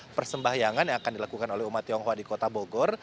persembahyangan yang akan dilakukan oleh umat tionghoa di kota bogor